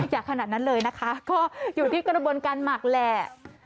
อยากขนาดนั้นเลยนะคะก็อยู่ที่กระบวนการหมักแหละ